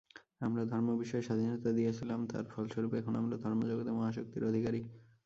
আমরা ধর্মবিষয়ে স্বাধীনতা দিয়াছিলাম, তাহার ফলস্বরূপ এখনও আমরা ধর্মজগতে মহাশক্তির অধিকারী।